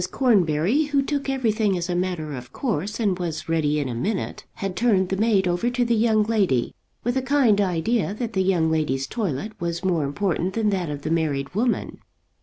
Cornbury, who took everything as a matter of course and was ready in a minute, had turned the maid over to the young lady with a kind idea that the young lady's toilet was more important than that of the married woman.